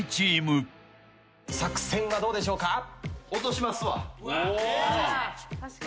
作戦はどうでしょうか？